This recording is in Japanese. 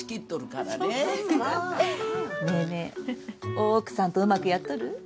大奥さんとうまくやっとる？